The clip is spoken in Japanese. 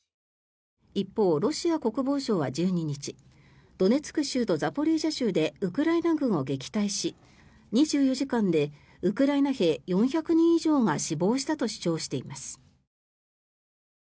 一方、ロシア国防省は１２日ドネツク州とザポリージャ州でウクライナ軍を撃退し２４時間でウクライナ兵４００人以上が死亡したと主張しています。